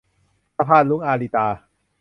สะพานรุ้ง - อาริตา